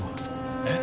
えっ？